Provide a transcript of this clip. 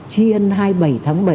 chiên hai mươi bảy tháng bảy